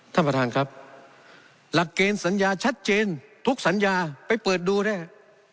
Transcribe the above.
ท่านประธานครับหลักเกณฑ์สัญญาชัดเจนทุกสัญญาไปเปิดดูได้ครับ